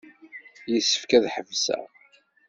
Yessefk ad ḥebseɣ.